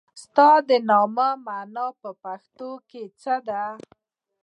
ستا د نوم مانا په پښتو کې څه ده ؟